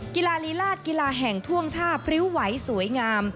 กีฬาลีลาศกีฬาแห่งท่วงท่าพริ้วไหวสวยงาม